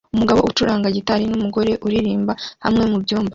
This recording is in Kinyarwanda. Umugabo ucuranga gitari numugore uririmbira hamwe mubyumba